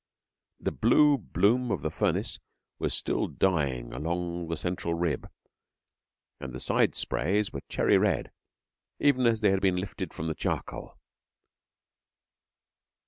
The blue bloom of the furnace was still dying along the central rib, and the side sprays were cherry red, even as they had been lifted from the charcoal.